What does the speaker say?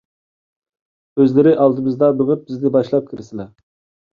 ئۆزلىرى ئالدىمىزدا مېڭىپ بىزنى باشلاپ كىرىسلە.